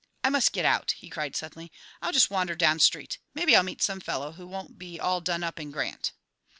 "I must get out!" he cried suddenly. "I'll just wander down street; maybe I'll meet some fellow who won't be all done up in Grant."